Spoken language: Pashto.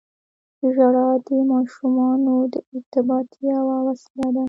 • ژړا د ماشومانو د ارتباط یوه وسیله ده.